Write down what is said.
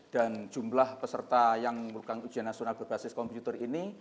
dan jumlah peserta yang melakukan ujian nasional berbasis komputer ini